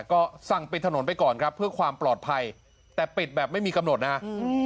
ก็สั่งปิดถนนไปก่อนครับเพื่อความปลอดภัยแต่ปิดแบบไม่มีกำหนดนะฮะ